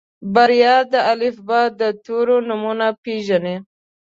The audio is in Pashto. بريا د الفبا د تورو نومونه پېژني.